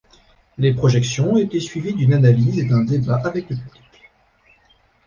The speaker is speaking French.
Les projections étaient suivies d'une analyse et d'un débat avec le public.